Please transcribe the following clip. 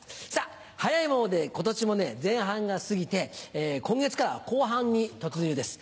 早いもので今年も前半が過ぎて今月からは後半に突入です。